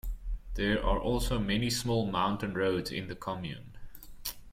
There are also many small mountain roads in the commune.